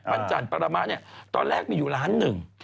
ปั้นจันทร์ประมาณเนี่ยตอนแรกมีอยู่ล้านหนึ่ง